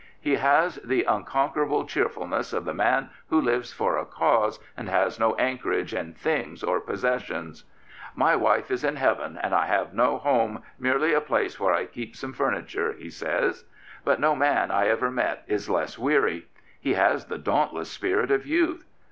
He has the unconquerable cheerfulness of the man who lives for a cause and has no anchorage in things or possessions. " My wife is in Heaven and I have no home, merely a place where I keep some furniture," he says; but no man I ever met is less w^eary. He has the dauntless spirit of youth.